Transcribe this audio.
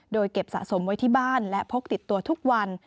โดยเก็บสะสมไว้ที่บ้านและพกติดตัวทุกวัน